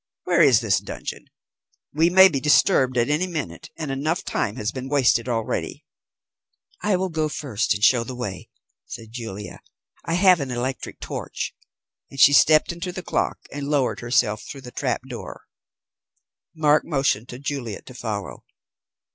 Where is this dungeon? We may be disturbed at any minute, and enough time has been wasted already." "I will go first and show the way," said Julia. "I have an electric torch," and she stepped into the clock and lowered herself through the trap door. Mark motioned to Juliet to follow.